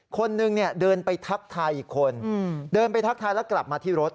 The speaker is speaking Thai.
คนนึงเนี่ยเดินไปทักทายอีกคนเดินไปทักทายแล้วกลับมาที่รถ